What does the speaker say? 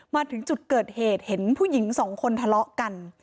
มาถึงจุดเกิดเหตุเห็นผู้หญิงสองคนทะเลาะกัน